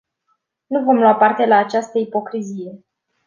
Nu vom lua parte la această ipocrizie.